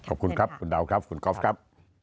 ขอบคุณครับคุณดาวครับคุณกอล์ฟครับ